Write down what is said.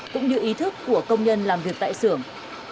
cũng như ý thức của công nhân làm việc tại xưởng